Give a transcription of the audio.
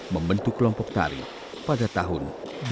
membentuk kelompok tari pada tahun dua ribu